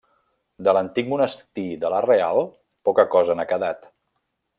De l'antic monestir de la Real poca cosa n'ha quedat.